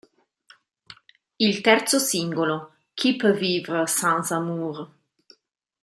Il terzo singolo, "Qui peut vivre sans amour?